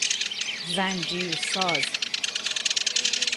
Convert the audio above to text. زنجیرساز